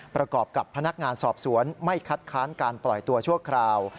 ประกอบกับพนักงานสอบสวนไม่คัดค้านการปล่อยตัวชั่วคราว